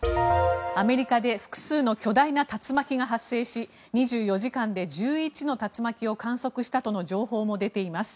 アメリカで複数の巨大な竜巻が発生し２４時間で１１の竜巻を観測したとの情報も出ています。